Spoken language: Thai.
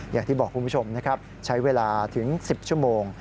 อย่างที่บอกคุณผู้ชมนะครับใช้เวลาถึง๑๐ชั่วโมง